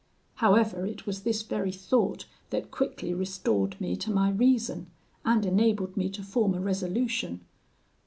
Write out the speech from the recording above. "However, it was this very thought that quickly restored me to my reason, and enabled me to form a resolution.